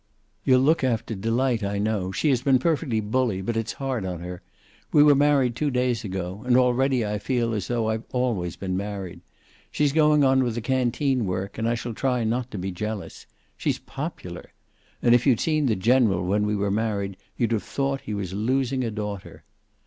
"You'll look after Delight, I know. She has been perfectly bully, but it's hard on her. We were married two days ago, and already I feel as though I've always been married. She's going on with the canteen work, and I shall try not to be jealous. She's popular! And if you'd seen the General when we were married you'd have thought he was losing a daughter.